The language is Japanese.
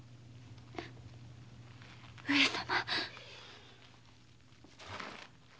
上様。